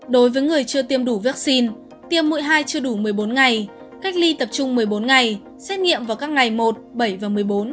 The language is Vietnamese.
đối với người chưa tiêm đủ vaccine tiêm mũi hai chưa đủ một mươi bốn ngày cách ly tập trung một mươi bốn ngày xét nghiệm vào các ngày một bảy và một mươi bốn